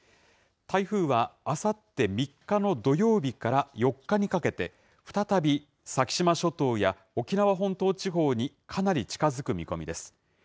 台風はあさって３日の土曜日から４日にかけて、再び先島諸島や沖縄本島地方にかなり近づく見込みです。